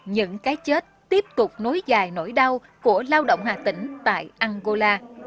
những cái chết tiếp tục nối dài nỗi đau của lao động hà tĩnh tại angola